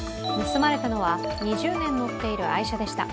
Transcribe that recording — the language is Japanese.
盗まれたのは、２０年乗っている愛車でした。